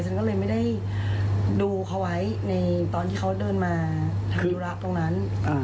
ฉันก็เลยไม่ได้ดูเขาไว้ในตอนที่เขาเดินมาทำธุระตรงนั้น